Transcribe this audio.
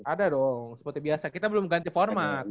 ada dong seperti biasa kita belum ganti format